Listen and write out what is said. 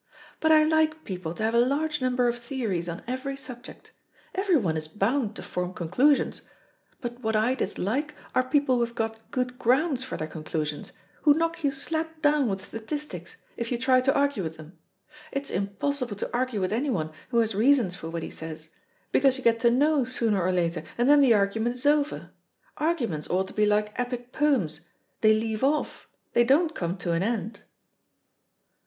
But I like people to have a large number of theories on every subject. Everyone is bound to form conclusions, but what I dislike are people who have got good grounds for their conclusions, who knock you slap down with statistics, if you try to argue with them. It's impossible to argue with anyone who has reasons for what he says, because you get to know sooner or later, and then the argument is over. Arguments ought to be like Epic poems, they leave off, they don't come to an end."